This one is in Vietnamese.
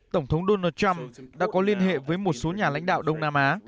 tổng thống donald trump đã có liên hệ với một số nhà lãnh đạo đông nam á